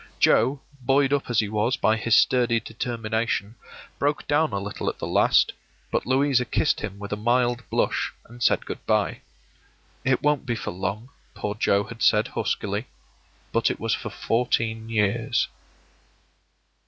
Joe, buoyed up as he was by his sturdy determination, broke down a little at the last, but Louisa kissed him with a mild blush, and said good by. “It won't be for long,” poor Joe had said, huskily; but it was for fourteen years.